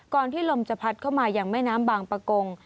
ที่ลมจะพัดเข้ามาอย่างแม่น้ำบางประกง